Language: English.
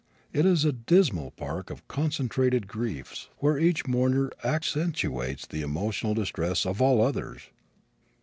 It is a dismal park of concentrated griefs where each mourner accentuates the emotional distress of all others.